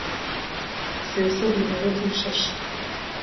سێ سەد و نەوەت و شەش